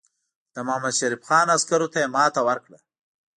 د محمدشریف خان عسکرو ته یې ماته ورکړه.